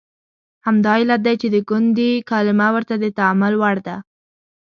همدا علت دی چې د ګوندي کلمه ورته د تامل وړ ده.